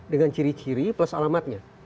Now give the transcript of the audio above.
dengan ciri ciri plus alamatnya